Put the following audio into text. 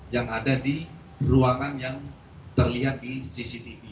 yang ada di ruangan yang terlihat di cctv